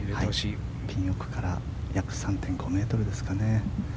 ピン奥から約３．５ｍですかね。